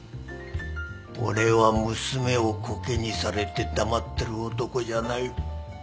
俺は娘をこけにされて黙ってる男じゃない